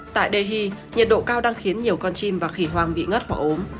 tại delhi nhiệt độ cao đang khiến nhiều con chim và khỉ hoang bị ngất hoặc ốm